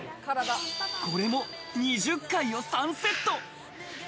これも２０回を３セット。